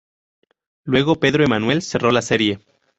Luego Pedro Emanuel cerró la serie.